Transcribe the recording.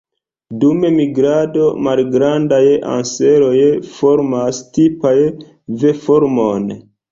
Dum migrado, Malgrandaj anseroj formas tipan V-formon.